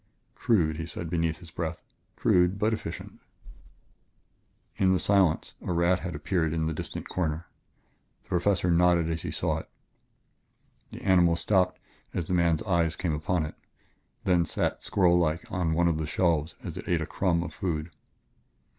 "Crude," he said beneath his breath, "crude but efficient!" In the silence a rat had appeared in the distant corner. The Professor nodded as he saw it. The animal stopped as the man's eyes came upon it; then sat squirrellike on one of the shelves as it ate a crumb of food.